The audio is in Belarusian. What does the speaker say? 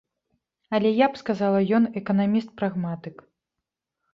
Але я б сказала, ён эканаміст-прагматык.